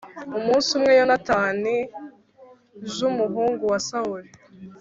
Umunsi umwe Yonatani j umuhungu wa Sawuli